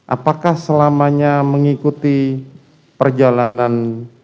apakah selamanya mengikuti perjalanan